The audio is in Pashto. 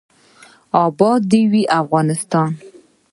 اباد دې وي افغانستان.